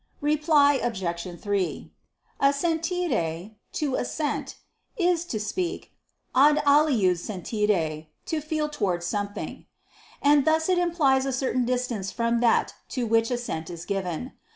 Reply Obj. 3: Assentire (to assent) is, to speak, ad aliud sentire (to feel towards something); and thus it implies a certain distance from that to which assent is given.